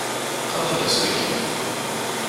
Qqaṛeɣ idlisen-agi.